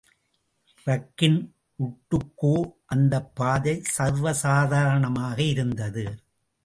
ரக்கின் உட்டுக்கோ, அந்தப் பாதை சர்வசாதாரணமாக இருந்தது.